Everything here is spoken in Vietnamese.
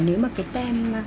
nếu mà cái tem